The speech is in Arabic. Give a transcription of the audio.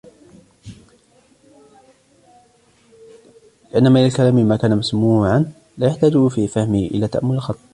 لِأَنَّ مِنْ الْكَلَامِ مَا كَانَ مَسْمُوعًا لَا يَحْتَاجُ فِي فَهْمِهِ إلَى تَأَمُّلِ الْخَطِّ بِهِ